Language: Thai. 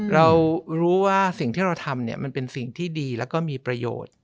เรารู้ว่าสิ่งที่เราทำมันเป็นสิ่งที่ดีแล้วก็มีประโยชน์